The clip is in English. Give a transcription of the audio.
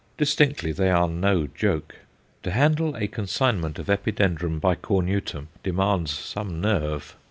Distinctly they are no joke. To handle a consignment of Epidendrum bicornutum demands some nerve.